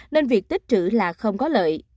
nên việc tích trữ là không có lợi